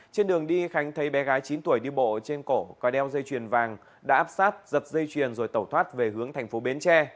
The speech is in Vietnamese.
trên đường đi khánh thấy bé gái chín tuổi đi bộ trên cổ có đeo dây chuyền vàng đã áp sát giật dây chuyền rồi tẩu thoát về hướng thành phố bến tre